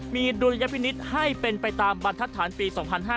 มีดุลยพินิษฐ์ให้เป็นไปตามบรรทัศนปี๒๕๕๙